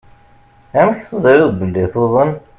Amek teẓriḍ belli tuḍen?